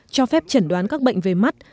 cho phép chẩn đoán các bệnh về mắt